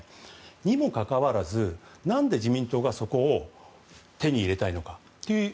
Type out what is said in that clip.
にもかかわらずなんで自民党がそこを手に入れたいのか。